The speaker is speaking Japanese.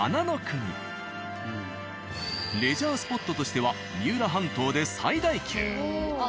レジャースポットとしては三浦半島で最大級。